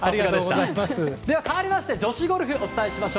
かわりまして女子ゴルフをお伝えします。